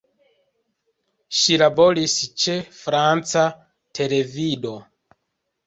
Ŝi laboris ĉe franca televido.